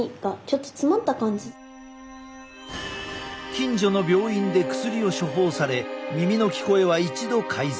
近所の病院で薬を処方され耳の聞こえは一度改善。